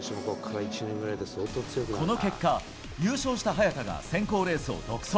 この結果、優勝した早田が選考レースを独走。